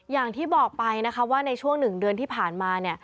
อย่างที่บอกไปนะคะว่าในช่วง๑เดือนที่ผ่านมา